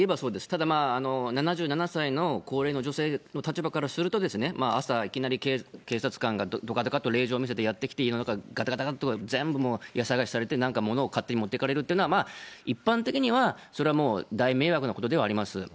ただ７７歳の高齢の女性の立場からすると、朝いきなり警察官がどかどかと令状見せてやって来て家の中、がたがたがたとやって全部もう家探しされて、なんか物を勝手に持っていかれるというのは、一般的には大迷惑なことではあります。